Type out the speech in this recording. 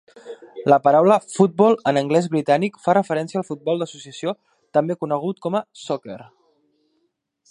La paraula "football" en anglès britànic fa referència al futbol d'associació, també conegut com a "soccer".